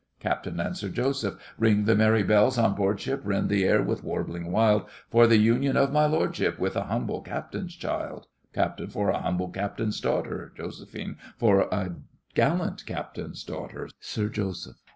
CAPT. and Ring the merry bells on board ship, SIR JOSEPH. Rend the air with warbling wild, For the union of { my } lordship his With a humble captain's child! CAPT. For a humble captain's daughter— JOS. For a gallant captain's daughter— SIR JOSEPH.